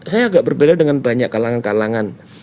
saya agak berbeda dengan banyak kalangan kalangan